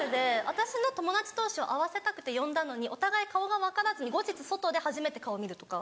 私の友達同士を会わせたくて呼んだのにお互い顔が分からずに後日外で初めて顔見るとか。